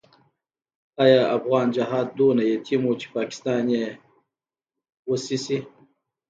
آیا افغان جهاد دومره یتیم وو چې پاکستان یې وصي شي؟